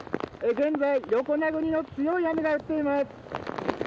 現在、横殴りの強い雨が降っています。